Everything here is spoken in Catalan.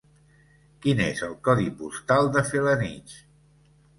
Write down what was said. Quin és el codi postal de Felanitx?